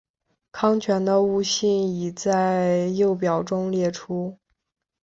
糠醛的物性已在右表中列出。